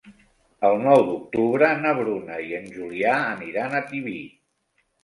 El nou d'octubre na Bruna i en Julià aniran a Tibi.